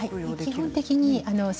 基本的に。